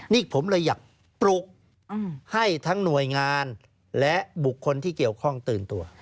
นี่ผมเลยอยากปลุกให้ทั้งหน่วยงานและบุคคลที่เกี่ยวข้องตื่นตัว